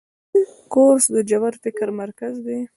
کورس د ژور فکر مرکز دی.